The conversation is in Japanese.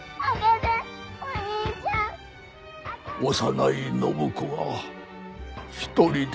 幼い展子が一人で。